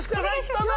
どうぞ。